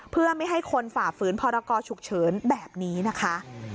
เพื่อไม่ให้คนฝ่าฝืนพรกรฉุกเฉินแบบนี้นะคะ